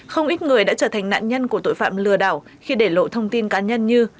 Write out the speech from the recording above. không ít người đã trở thành nạn nhân của tội phạm lừa đảo khi để lộ thông tin cá nhân như